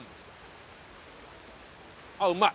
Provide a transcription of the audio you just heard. あっうまい。